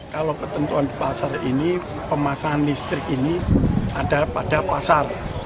kalau ketentuan di pasar ini pemasangan listrik ini ada pada pasar